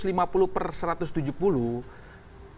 kalau di dalam rekaman itu yang satu ratus tujuh puluh persatuan